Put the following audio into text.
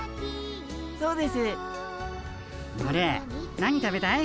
何食べたい？